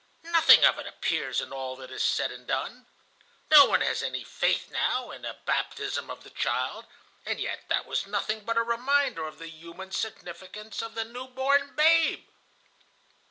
"Nothing of it appears in all that is said and done. No one has any faith now in a baptism of the child, and yet that was nothing but a reminder of the human significance of the newborn babe.